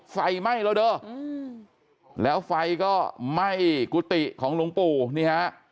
ไฟไหม้แล้วเด้อแล้วไฟก็ไหม้กุฏิของหลวงปู่นี่ฮะ